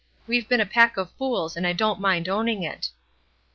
We've been a pack of fools, and I don't mind owning it."